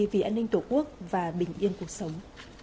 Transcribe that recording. vì an ninh tổ quốc và bình yên cuộc sống